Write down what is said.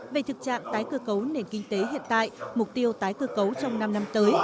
về thực trạng tái cơ cấu nền kinh tế hiện tại mục tiêu tái cơ cấu trong năm năm tới